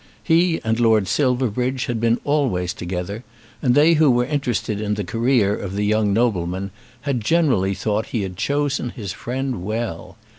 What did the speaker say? He and Lord Silverbridge had been always together, and they who were interested in the career of the young nobleman had generally thought he had chosen his friend well.